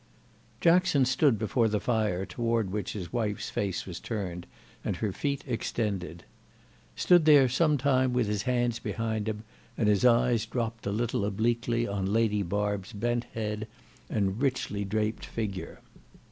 Jackson stood before the fire toward which his wife's face was turned and her feet extended; stood there some time with his hands behind him and his eyes dropped a little obliquely on Lady Barb's bent head and richly draped figure.